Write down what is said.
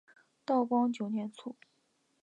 道光九年卒。